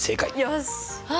よし！